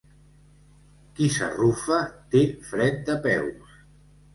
Qui s'arrufa té fred de peus.